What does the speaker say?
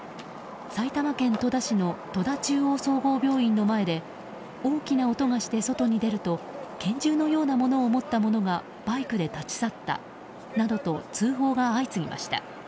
埼玉県戸田市の戸田中央総合病院の前で大きな音がして、外に出ると拳銃のようなものを持った者がバイクで立ち去ったなどと通報が相次ぎました。